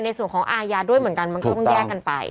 ในส่วนของอาญาด้วยเหมือนกันมันก็ต้องแยกกันไป